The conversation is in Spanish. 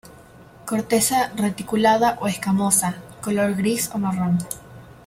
Corteza reticulada o escamosa, color gris o marrón.